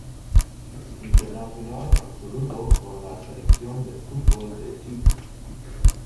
Es internacional absoluto con la selección de fútbol de Chipre.